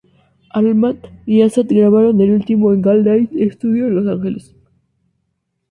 Altman y Assad grabaron el álbum en Galt Line Studio en Los Ángeles.